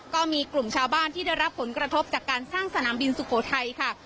ก็มีกลุ่มชาวบ้านที่ได้รับผลกระทบจากการสร้างสนามบินสุโขทัยค่ะ